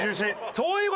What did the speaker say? そういう事！